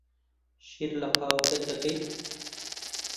شیر لە قاوەکەت دەکەیت؟